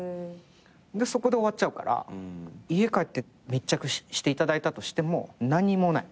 でそこで終わっちゃうから家帰って密着していただいたとしても何にもない。